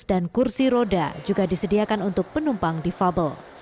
sus dan kursi roda juga disediakan untuk penumpang di fable